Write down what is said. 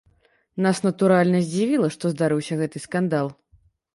Нас, натуральна, здзівіла, што здарыўся гэты скандал.